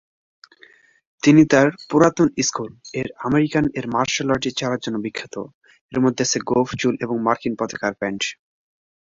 তিনি তার "পুরাতন স্কুল" -এর আমেরিকান মার্শাল আর্ট চেহারার জন্য বিখ্যাত, এর মধ্যে আছে গোঁফ, চুল এবং মার্কিন পতাকার প্যান্ট।